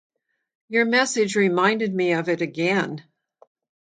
Your message reminded me of it again.